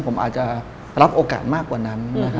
ผมอาจจะรับโอกาสมากกว่านั้น